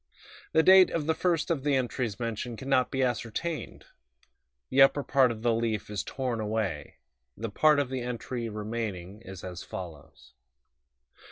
The date of the first of the entries mentioned can not be ascertained; the upper part of the leaf is torn away; the part of the entry remaining is as follows